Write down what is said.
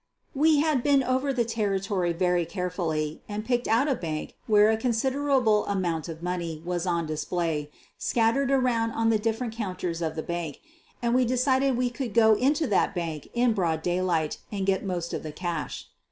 We had been over the territory very carefully and picked out a bank where a considerable amount of money was on display, scattered around on the different counters of the bank, and we decided that we could go into that bank in broad daylight and get most of the cash.